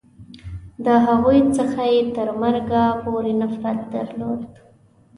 د هغوی څخه یې تر مرګه پورې نفرت درلود.